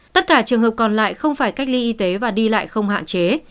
tất cả trường hợp còn lại không phải cách ly y tế và đi lại không hạn chế